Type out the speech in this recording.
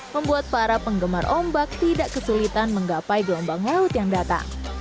membuat para penggemar ombak tidak kesulitan menggapai gelombang laut yang datang